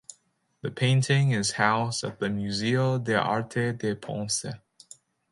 The painting is housed at the Museo de Arte de Ponce.